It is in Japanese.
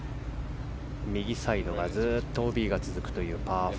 右サイドがずっとＯＢが続くパー５。